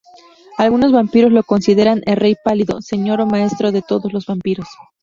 Algunos vampiros lo consideran el "Rey Pálido", señor o maestro de todos los vampiros.